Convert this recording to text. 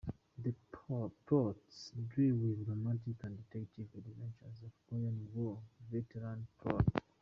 The plots deal with the romantic and detective adventures of Korean War veteran Troy.